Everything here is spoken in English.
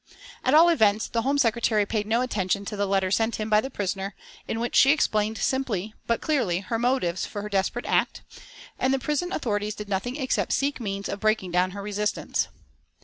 At all events the Home Secretary paid no attention to the letter sent him by the prisoner, in which she explained simply but clearly her motives for her desperate act, and the prison authorities did nothing except seek means of breaking down her resistance.